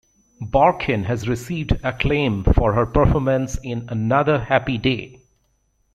Barkin has received acclaim for her performance in "Another Happy Day".